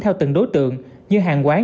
theo từng đối tượng như hàng quán